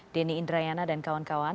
denny indrayana dan kawan kawan